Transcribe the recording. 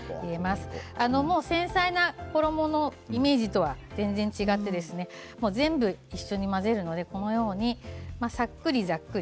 繊細な衣のイメージとは全然違って全部一緒に混ぜるのでさっくりさっくり。